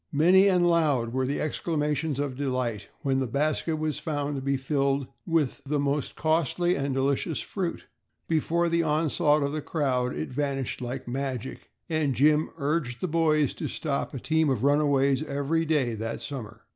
Many and loud were the exclamations of delight when the basket was found to be filled with the mostly costly and delicious fruit. Before the onslaught of the crowd it vanished like magic and Jim urged the boys to stop a team of runaways every day that summer.